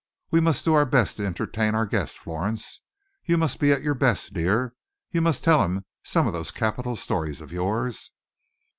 We must do our best to entertain our guest, Florence. You must be at your best, dear. You must tell him some of those capital stories of yours."